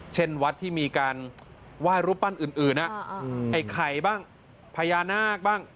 เช่นวัดที่มีการไหว้รูปปั้นอื่นไอ้ไข่บ้างพญานาคบ้าง